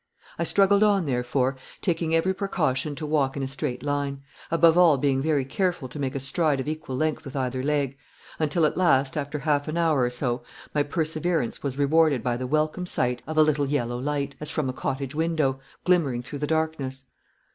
I struggled on, therefore, taking every precaution to walk in a straight line, above all being very careful to make a stride of equal length with either leg, until at last, after half an hour or so, my perseverance was rewarded by the welcome sight of a little yellow light, as from a cottage window, glimmering through the darkness.